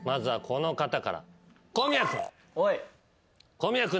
小宮君。